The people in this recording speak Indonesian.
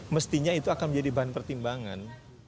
mestinya itu akan menjadi bahan pertimbangan